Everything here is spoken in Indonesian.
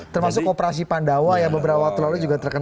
termasuk operasi pandawa yang beberapa waktu lalu juga terkena